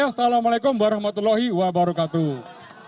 assalamu'alaikum warahmatullahi wabarakatuh